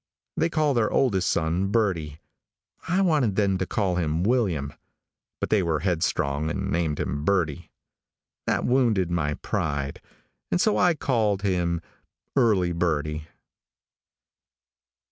They call their oldest son Birdie. I wanted them to call him William, but they were headstrong and named him Birdie. That wounded my pride, and so I called him Earlie Birdie.